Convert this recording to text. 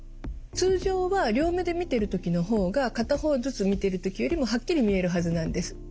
通常は両目で見ている時の方が片方ずつ見てる時よりもはっきり見えるはずなんです。